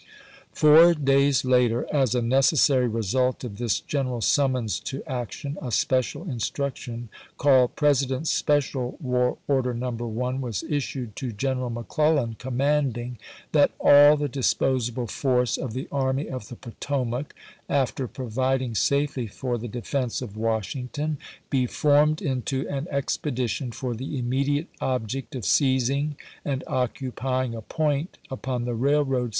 Four days later, as a necessary result of this gen eral summons to action, a special instruction, called " President's Special War Order, No 1," was issued to General McClellan, commanding "that all the disposable force of the Army of the Potomac, after providing safely for the defense of Washington, be formed into an expedition for the immediate object pjjd., of seizing and occupying a point upon the railroad ''^w.